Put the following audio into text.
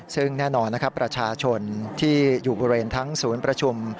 ซึ่งแน่นอนนะครับประชาชนที่อยู่บริเวณทั้งศูนย์ประชุม